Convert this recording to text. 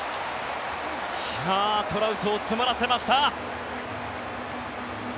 トラウトを詰まらせました。